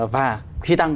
và khi tăng